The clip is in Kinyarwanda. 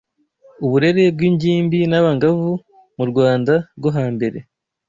uburere bw’ingimbi n’abangavu mu Rwanda rwo hambere